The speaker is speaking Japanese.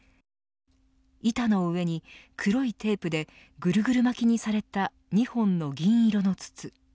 板の上に黒いテープでぐるぐる巻きにされた２本の銀色の筒。